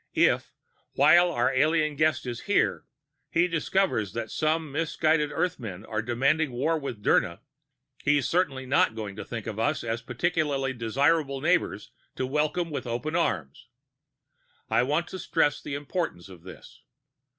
If, while our alien guest is here, he discovers that some misguided Earthmen are demanding war with Dirna, he's certainly not going to think of us as particularly desirable neighbors to welcome with open arms. I want to stress the importance of this.